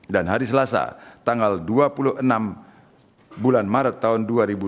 dan hari selasa tanggal dua puluh enam bulan maret tahun dua ribu dua puluh empat